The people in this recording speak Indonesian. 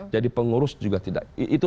jadi pengurus juga tidak itu